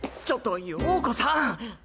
ちょっと羊子さん！